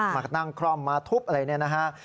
มานั่งคล่อมมาทุบอะไรเนี่ยนะฮะ